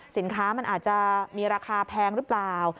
สินค้ามันอาจจะมีราคาแพงหรือเปล่า